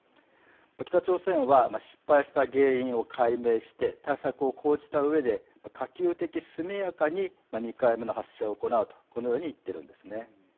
北朝鮮は失敗した原因を解明して対策を講じたうえで可及的速やかに２回目の発射を行うとこのように言ってるんですね。